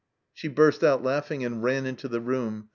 She burst out laughing and ran into the room.